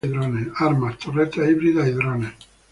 Armas: torretas híbridas y drones.